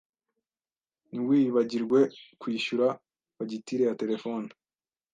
Ntiwibagirwe kwishyura fagitire ya terefone.